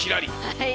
はい。